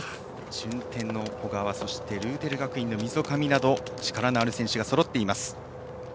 順天の小川ルーテル学院の溝上など力のある選手がそろっています。